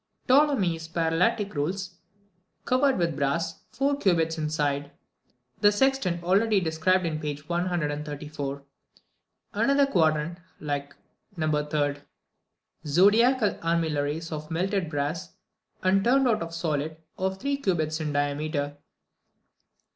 4. Ptolemy's parallactic rules, covered with brass, four cubits in the side. 5. The sextant already described in page 134. 6. Another quadrant, like No. 3. 7. Zodiacal armillaries of melted brass, and turned out of the solid, of three cubits in diameter.